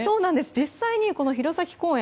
実際に弘前公園